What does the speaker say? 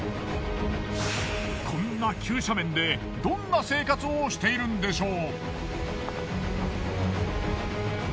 こんな急斜面でどんな生活をしているんでしょう？